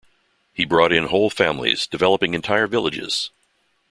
He brought in whole families, developing entire villages.